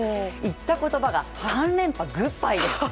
言ったことばが「３連覇グッバイ」です。